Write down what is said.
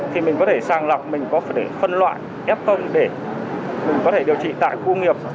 thì mình có thể sàng lọc mình có phải phân loại f để mình có thể điều trị tại khu nghiệp